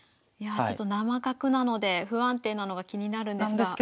いやちょっと生角なので不安定なのが気になるんですが。